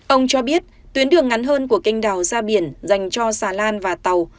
ông cho biết tuyến đường ngắn hơn của kênh đào ra biển dành cho xà lan và tàu